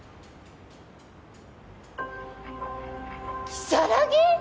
如月？